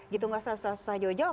gitu gak usah susah jauh jauh